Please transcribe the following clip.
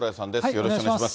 よろしくお願いします。